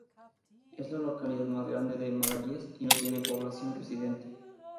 Es la localidad más grande de Mayagüez y no tiene población residente.